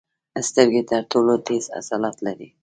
سترګې تر ټولو تېز عضلات لري.